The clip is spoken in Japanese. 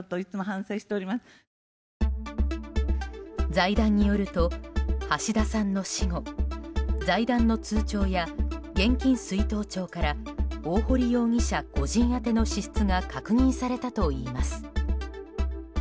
財団によると橋田さんの死後財団の通帳や現金出納帳から大堀容疑者個人宛ての支出が確認されたといいます。